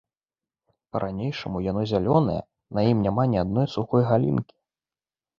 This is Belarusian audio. Па-ранейшаму яно зялёнае, на ім няма ні адной сухой галінкі.